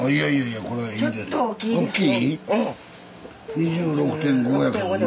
２６．５やけどな。